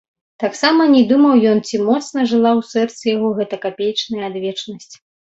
Таксама не думаў ён, ці моцна жыла ў сэрцы яго гэтая капеечная адвечнасць.